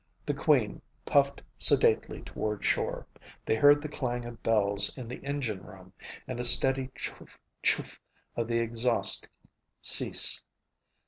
The Queen puffed sedately toward shore. They heard the clang of bells in the engine room and the steady chouf chouf of the exhaust cease.